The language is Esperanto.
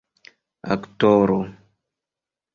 aktoro